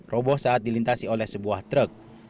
roboh saat dilintasi oleh sebuah truk